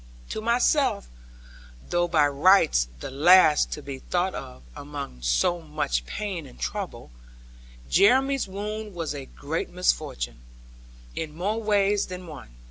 To myself (though by rights the last to be thought of, among so much pain and trouble) Jeremy's wound was a great misfortune, in more ways than one.